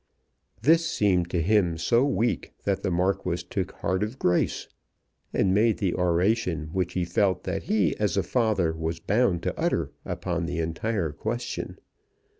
This seemed to him so weak that the Marquis took heart of grace, and made the oration which he felt that he as a father was bound to utter upon the entire question.